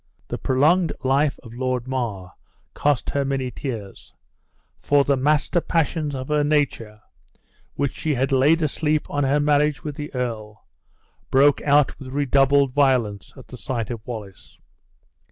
The prolonged life of Lord Mar cost her many tears, for the master passions of her nature, which she had laid asleep on her marriage with the earl, broke out with redoubled violence at the sight of Wallace.